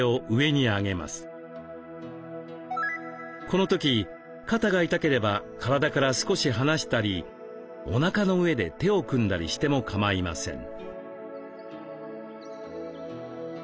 この時肩が痛ければ体から少し離したりおなかの上で手を組んだりしても構いません。